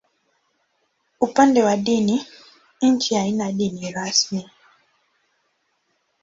Upande wa dini, nchi haina dini rasmi.